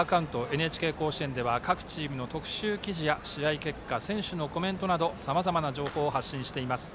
「ＮＨＫ甲子園」では各チームの特集記事や試合結果、選手のコメントなどさまざまな情報を発信しています。